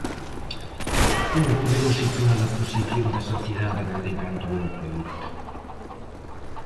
Como podemos situar a posición da sociedade galega ante o eucalipto?